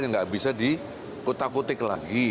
yang nggak bisa dikutak kutik lagi